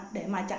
để mà trả